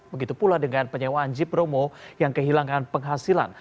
begitu pula dengan penyewaan jeep bromo yang kehilangan penghasilan